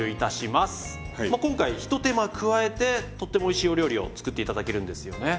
まあ今回一手間加えてとってもおいしいお料理を作って頂けるんですよね？